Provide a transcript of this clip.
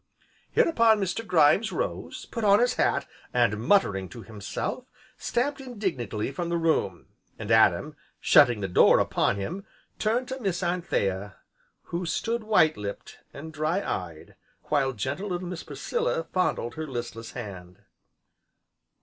Hereupon Mr. Grimes rose, put on his hat, and muttering to himself, stamped indignantly from the room, and Adam, shutting the door upon him, turned to Miss Anthea, who stood white lipped and dry eyed, while gentle little Miss Priscilla fondled her listless hand.